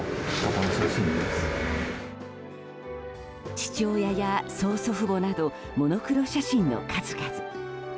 父親や曾祖父母などモノクロ写真の数々。